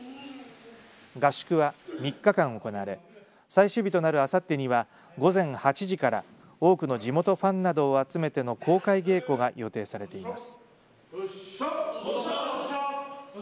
合宿は３日間行われ最終日となるあさってには午前８時から多くの地元ファンなどを集めての公開稽古が予定されています。